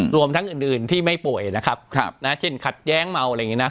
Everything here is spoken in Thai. รวมทั้งอื่นที่ไม่ป่วยนะครับเช่นขัดแย้งเมาอะไรอย่างนี้นะ